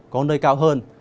có nơi cao hơn